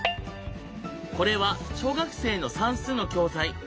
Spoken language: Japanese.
これは小学生の算数の教材。